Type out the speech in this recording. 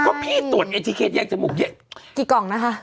เพราะพี่ตรวจเอธิเคสแยกจมูกเย็นกี่กล่องนะคะ